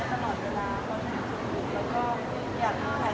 ที่นี่ทุกวันนี้เราก็อย่างคนงตะละรับพี่เค้าเหมือนเดิม